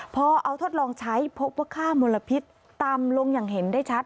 พอเอาทดลองใช้พบว่าค่ามลพิษต่ำลงอย่างเห็นได้ชัด